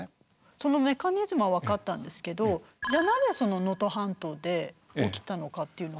そのメカニズムは分かったんですけどじゃあなぜその能登半島で起きたのかっていうのは。